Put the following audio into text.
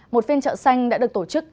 một phiên chợ xanh đã được tổ chức